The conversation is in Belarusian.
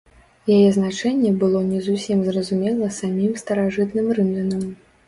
Яе значэнне было не зусім зразумела самім старажытным рымлянам.